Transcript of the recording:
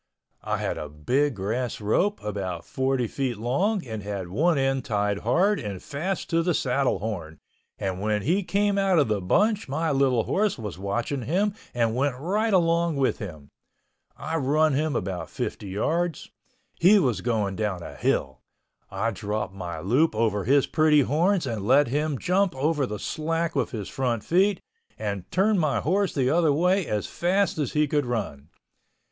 I had a big grass rope about 40 feet long and had one end tied hard and fast to the saddle horn and when he came out of the bunch my little horse was watching him and went right along with him. I run him about 50 yards. He was going down a hill. I dropped my loop over his pretty horns and let him jump over the slack with his front feet, and turned my horse the other way as fast as he could run.